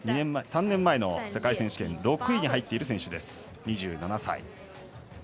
３年前の世界選手権６位に入っている選手、２７歳。